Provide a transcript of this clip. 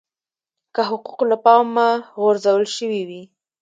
که حقوق له پامه غورځول شوي وي.